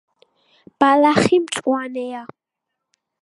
ბალახი მწვანეა